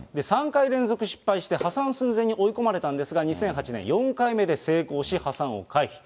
３回連続失敗して破産寸前まで追い込まれたんですが、２００８年、４回目で成功し、破産を回避。